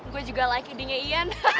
gue juga like editingnya ian